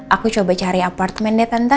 aku coba cari apartemen deh tante ya